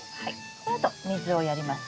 このあと水をやります。